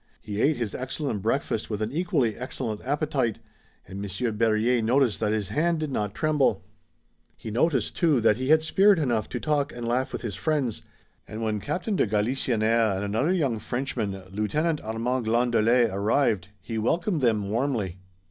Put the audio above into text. He ate his excellent breakfast with an equally excellent appetite, and Monsieur Berryer noticed that his hand did not tremble. He observed, too, that he had spirit enough to talk and laugh with his friends, and when Captain de Galisonnière and another young Frenchman, Lieutenant Armand Glandelet, arrived, he welcomed them warmly.